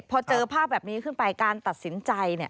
พอเจอภาพแบบนี้ขึ้นไปการตัดสินใจเนี่ย